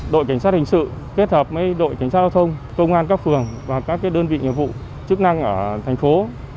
đội cảnh sát hình sự kết hợp với đội cảnh sát giao thông công an các phường và các đơn vị nghiệp vụ chức năng ở thành phố